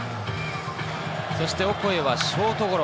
そしてオコエはショートゴロ。